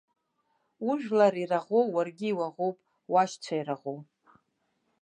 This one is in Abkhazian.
Ужәлар ираӷоу уаргьы иуаӷоуп, уашьцәа ираӷоу.